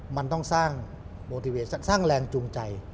มันต้องสร้างแรงจูงใจ